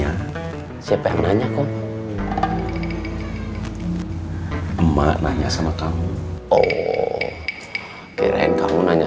ayo dimakan kuenya